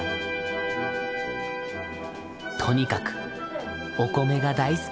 とにかくお米が大好き。